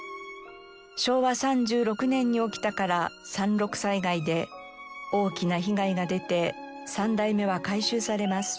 昭和３６年に起きたから「三六災害」で大きな被害が出て３代目は改修されます。